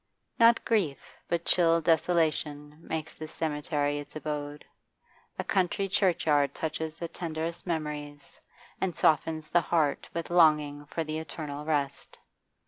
Not grief, but chill desolation makes this cemetery its abode. A country churchyard touches the tenderest memories, and softens the heart with longing for the eternal rest.